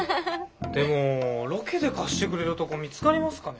でもロケで貸してくれるとこ見つかりますかね？